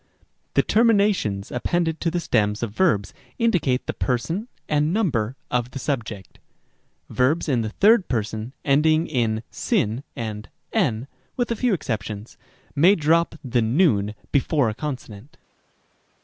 c. The terminations appended to the stems of verbs indicate the person and number of the subject. Rem. d. Verbs in the third person ending in ow and ev (with a few exceptions) may drop the v before a consonant.